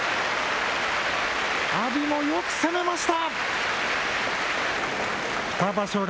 阿炎もよく攻めました。